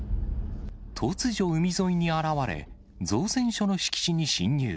突如、海沿いに現れ、造船所の敷地に侵入。